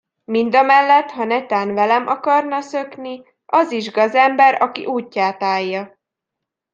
Mindamellett ha netán velem akarna szökni, az is gazember, aki útját állja!